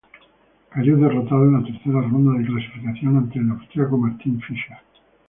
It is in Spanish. Cayó derrotado en la tercera ronda de clasificación ante el austríaco Martin Fischer.